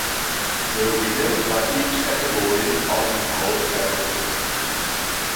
The winners by each categories are in bold characters.